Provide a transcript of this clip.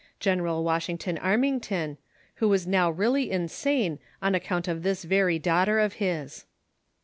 General Washington Armington, who was now really insane on account of this very daughter of his.